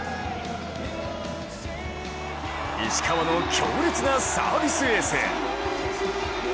石川の強烈なサービスエース。